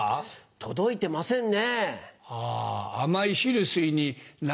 届いてませんね。